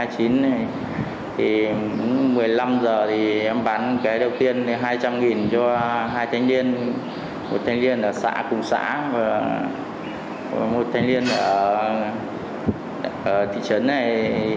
thì một mươi năm h thì em bán cái đầu tiên hai trăm linh cho hai thanh niên một thanh niên ở xã cùng xã và một thanh niên ở thị trấn này